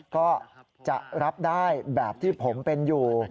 ก็จะรับได้แบบที่ผมเป็นอยู่